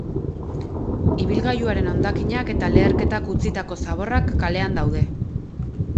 Ibilgailuaren hondakinak eta leherketak utzitako zaborrak kalean daude.